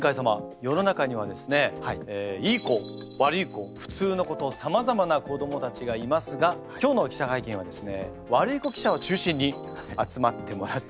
世の中にはですねいい子悪い子普通の子とさまざまな子どもたちがいますが今日の記者会見はですね悪い子記者を中心に集まってもらっております。